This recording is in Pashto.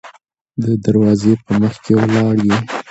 د دروازې په مخکې ولاړ يې.